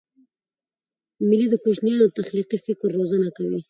مېلې د کوچنيانو د تخلیقي فکر روزنه کوي.